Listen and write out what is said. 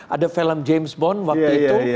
ada film james bond waktu itu